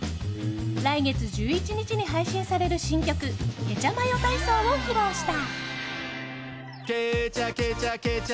来月１１日に配信される新曲「ケチャマヨ体操」を披露した。